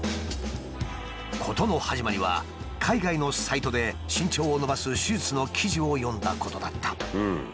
事の始まりは海外のサイトで身長を伸ばす手術の記事を読んだことだった。